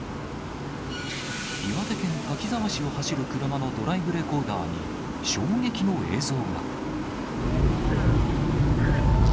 岩手県滝沢市を走る車のドライブレコーダーに、衝撃の映像が。